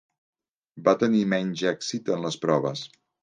Va tenir menys èxit en les proves.